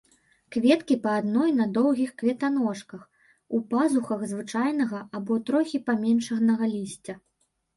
Кветкі па адной на доўгіх кветаножках, у пазухах звычайнага або трохі паменшанага лісця.